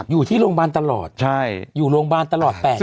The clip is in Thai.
อยู่ที่โรงพยาบาลตลอดอยู่โรงพยาบาลตลอด๘ปี